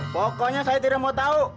pokoknya saya tidak mau tahu